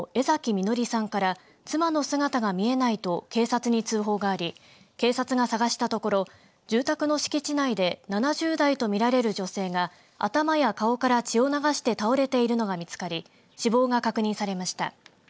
彌憲さんから妻の姿が見えないと警察に通報があり警察が捜したところ住宅の敷地内で７０代と見られる女性が頭や顔から血を流して倒れているのが見つかり死亡が確認されました。